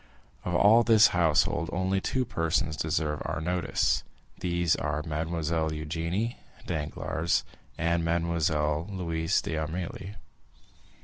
Of all this household, only two persons deserve our notice; these are Mademoiselle Eugénie Danglars and Mademoiselle Louise d'Armilly.